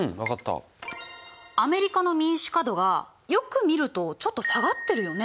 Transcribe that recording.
アメリカの民主化度がよく見るとちょっと下がってるよね？